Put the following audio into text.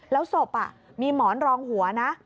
แล้วศพมีหมอนรองหัวนะ